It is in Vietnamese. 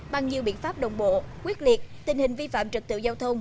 bằng nhiều biện pháp đồng bộ quyết liệt tình hình vi phạm trật tựu giao thông